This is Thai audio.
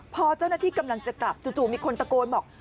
พอเจ้าหน้าที่กำลังจะกลับจู่มีคนตะโกนบอก